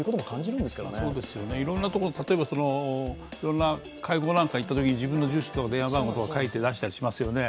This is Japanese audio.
そうですよね、いろんなとこで例えばいろんな会合なんか行ったりするときに自分の住所と電話番号を書いて出したりしますよね。